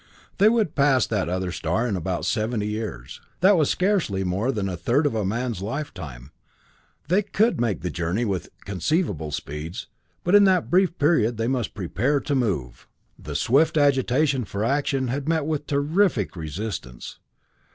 They would pass that other star in about seventy years. That was scarcely more than a third of a man's lifetime. They could make the journey with conceivable speeds but in that brief period they must prepare to move! The swift agitation for action had met with terrific resistance.